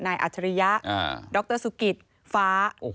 อัจฉริยะดรสุกิตฟ้า